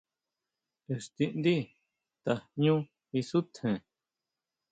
Ixtindi tajñu isutjen.